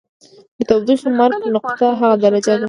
د تودوخې مرګ نقطه هغه درجه ده.